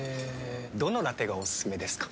どのラテがおすすめですか？